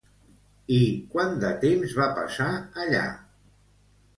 I quant de temps va passar allà?